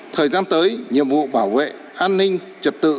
thời gian tới nhiệm vụ bảo vệ an ninh trật tự